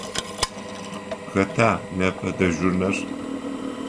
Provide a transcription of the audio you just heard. Хэта непэ дежурнэр?